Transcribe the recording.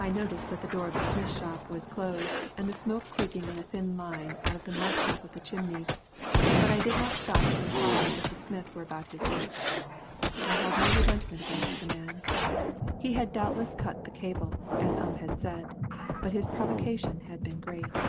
I noticed that the door of the smith's shop was closed and the smoke creeping in a thin line out of the mud top of the chimney, but I did not stop to inquire if the smith were about his work. I held no resentment against the man. He had doubtless cut the cable, as Ump had said, but his provocation had been great.